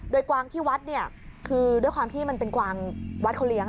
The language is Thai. โดยกวางที่วัดเนี่ยคือด้วยความที่มันเป็นกวางวัดเขาเลี้ยง